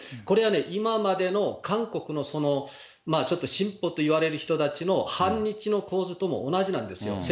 これはね、今までの韓国のちょっとしんぽといわれる人たちの反日の構図とも同じなんですよ。